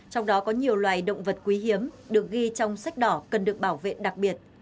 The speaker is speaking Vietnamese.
trong đó có nhiều loài động vật quý hiếm được ghi trong sách đỏ cần được bảo vệ đặc biệt